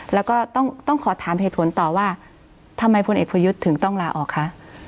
แล้วก็ต้องขอถามเหตุผลต่อว่าทำไมพลเอกประยุทธ์ถึงต้องลาออกคะ